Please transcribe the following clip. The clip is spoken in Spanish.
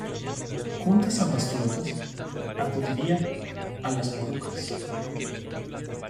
Juntas ambas flotas, acudiría a las Molucas.